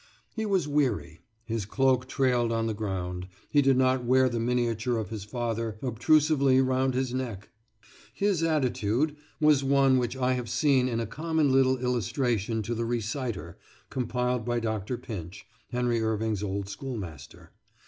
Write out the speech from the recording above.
He was weary; his cloak trailed on the ground. He did not wear the miniature of his father obtrusively round his neck! His attitude was one which I have seen in a common little illustration to the "Reciter," compiled by Dr. Pinch, Henry Irving's old schoolmaster.